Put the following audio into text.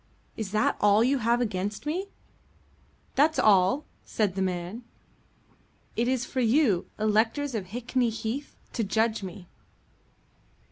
Is that all you have against me?" "That's all," said the man. "It is for you, electors of Hickney Heath, to judge me."